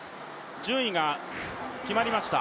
順位が決まりました。